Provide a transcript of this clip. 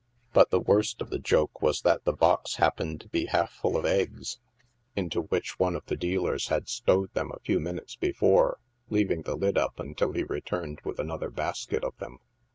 But the worst of the joke was that the box happened to be half full of eggs, into THE MARKETS AT NIGHT. 53 which one of the dealers hail stowed them a few minutes "before, leaving the lid up until he returned with another basket of them!